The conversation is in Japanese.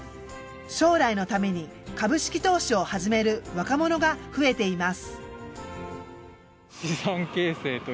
将来のために株式投資を始める若者が増えています。